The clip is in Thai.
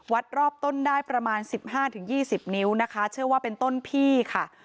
วัดรอบต้นได้ประมาณสิบห้าถึงยี่สิบนิ้วนะคะเชื่อว่าเป็นต้นพี่ค่ะ